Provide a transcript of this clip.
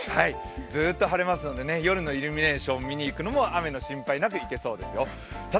ずっと晴れますので夜のイルミネーションを見に行くのも雨の心配なく行けそうですよ。